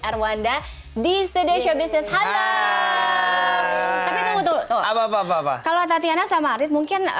erwanda di studio showbiz hello tapi tunggu dulu apa apa kalau tatiana sama ardit mungkin